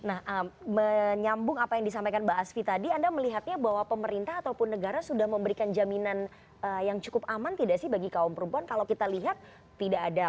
nah menyambung apa yang disampaikan mbak asfi tadi anda melihatnya bahwa pemerintah ataupun negara sudah memberikan jaminan yang cukup aman tidak sih bagi kaum perempuan kalau kita lihat tidak ada